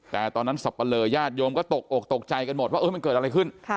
แต่ตอนนั้นสับปะเลอญาติโยมก็ตกอกตกใจกันหมดว่ามันเกิดอะไรขึ้น